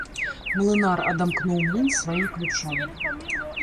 Млынар адамкнуў млын сваім ключом.